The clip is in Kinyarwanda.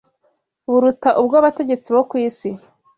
buruta ubw’abategetsi bo ku isi.